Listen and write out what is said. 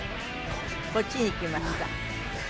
こっちに行きました。